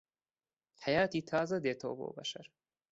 حەیاتی تازە دێتۆ بۆ بەشەر